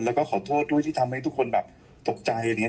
แล้วก็ขอโทษด้วยที่ทำให้ทุกคนตกใจ